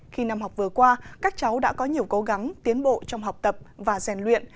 khi năm học vừa qua các cháu đã có nhiều cố gắng tiến bộ trong học tập và rèn luyện